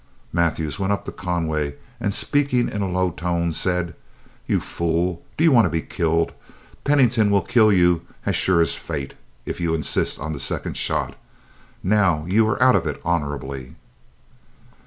Mathews went up to Conway, and speaking in a low tone, said: "You fool, do you want to be killed? Pennington will kill you as sure as fate, if you insist on the second shot. Now you are out of it honorably."